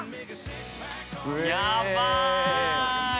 ◆やばーい。